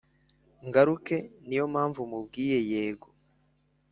ngaruke niyompamvu mubwiye yego